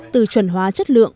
từ chuẩn hóa chất lượng